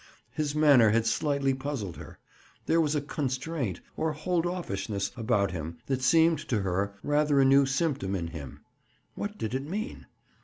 His manner had slightly puzzled her. There was a constraint, or hold offishness about him that seemed to her rather a new symptom in him. What did it mean?